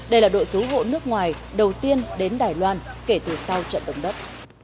đây là đội cứu hộ nước ngoài đầu tiên đến đài loan kể từ sau trận động đất